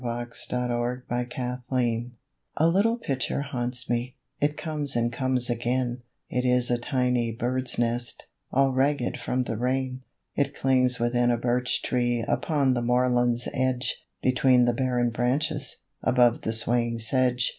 THE LITTLE NEST A little picture haunts me; It comes and comes again; It is a tiny bird's nest, All ragged from the rain. It clings within a birch tree Upon the moorland's edge, Between the barren branches, Above the swaying sedge.